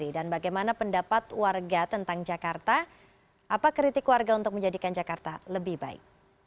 dan bagaimana pendapat warga tentang jakarta apa kritik warga untuk menjadikan jakarta lebih baik